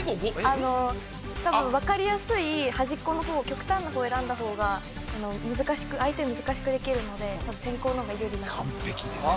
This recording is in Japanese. あの多分分かりやすい端っこの方極端な方選んだ方が難しく相手を難しくできるので多分先攻の方が有利だと思います・